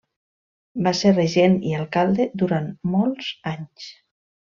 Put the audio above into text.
Va ser regent i alcalde durant molts anys.